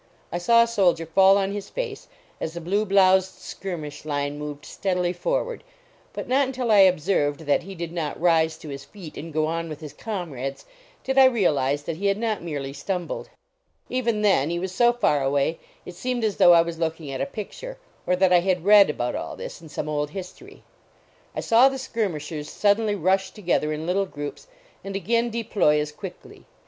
I saw a soldier fall on his face, as the blue bloused skirmish line moved steadily forward, but not until I observed that he did not rise to his feet and go on with his comrades did I realize that he had not merely stumbled. Even then, he was so far away, it seemed as though I was looking at a picture, or that I had read about all this in some old history. I saw the skirmishers suddenly rush together in little groups and again deploy as quickly.